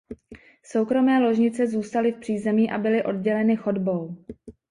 Soukromé ložnice zůstaly v přízemí a byly odděleny chodbou.